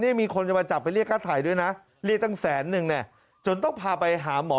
นี่มีคนจะมาจับไปเรียกค่าถ่ายด้วยนะเรียกตั้งแสนนึงเนี่ยจนต้องพาไปหาหมอ